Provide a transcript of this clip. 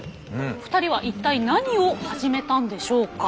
２人は一体何を始めたんでしょうか？